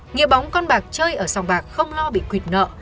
nghĩa bóng con bạc chơi ở sòng bạc không lo bị quệt nợ